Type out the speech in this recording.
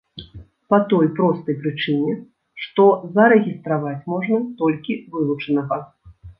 Па той простай прычыне, што зарэгістраваць можна толькі вылучанага.